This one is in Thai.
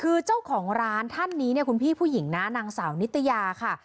คือเจ้าของร้านท่านนี้เนี่ยคุณพี่ผู้หญิงนะนางสาวนิตยาค่ะ